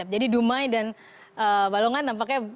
jadi dumai dan balongan nampaknya